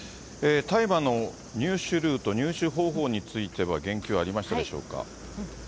大麻の入手ルート、入手方法については、言及ありましたでしょうか。